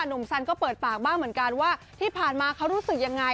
หนุ่มสันก็เปิดปากบ้างเหมือนกันว่าที่ผ่านมาเขารู้สึกยังไง